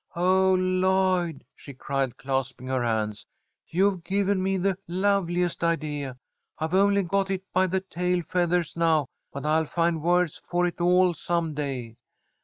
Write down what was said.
"Oh, Lloyd!" she cried, clasping her hands. "You've given me the loveliest idea! I've only got it by the tail feathers now, but I'll find words for it all some day."